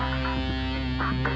kayaknya dia emang sengaja deh